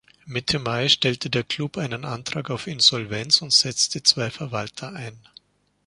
Mitte Mai stellte der Club einen Antrag auf Insolvenz und setzte zwei Verwalter ein.